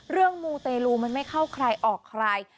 เรื่องมูเตรลูมันไม่เข้าใครออกใคร